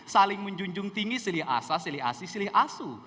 saling menjunjung tinggi silih asa silih asi silih asu